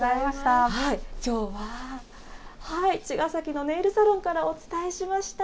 きょうは、茅ヶ崎のネイルサロンからお伝えしました。